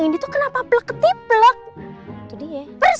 ini kalau aa